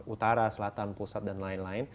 utara selatan pusat dan lain lain